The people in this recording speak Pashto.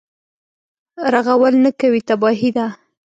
رغول نه کوي تباهي ده.